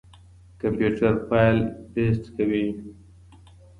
کمپيوټر فايل پېسټ کوي.